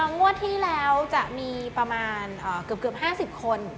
งวดที่แล้วจะมีประมาณเกือบ๕๐คน